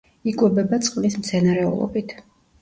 იკვებება წყლის მცენარეულობით.